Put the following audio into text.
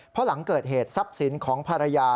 เพราะหลังเกิดเหตุทรัพย์สินของภรรยา